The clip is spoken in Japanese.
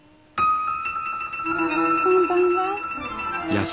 こんばんは。